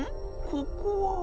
ここは。